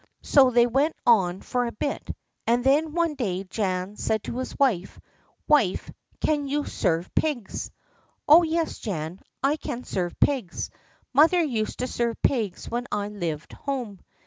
So they went on for a bit, and then one day Jan said to his wife: "Wife, can you serve pigs?" "Oh, yes, Jan, I can serve pigs. Mother used to serve pigs when I lived home."